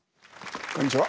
こんにちは。